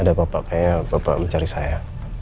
ada apa pak kayaknya bapak mencari saya